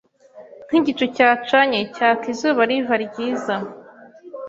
ni nkigicu cyacanye cyaka izuba riva ryiza